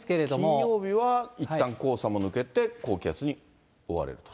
金曜日はいったん黄砂も抜けて、高気圧に覆われると。